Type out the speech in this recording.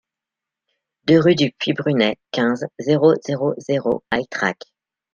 deux rue du Puy Brunet, quinze, zéro zéro zéro à Ytrac